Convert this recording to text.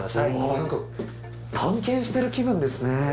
なんか探検してる気分ですね。